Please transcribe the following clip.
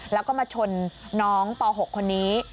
แล้วก็มาชนน้องป๖คนนี้